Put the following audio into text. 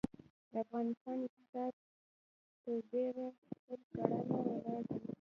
د افغانستان اقتصاد ترډیره پرکرهڼه ولاړ دی.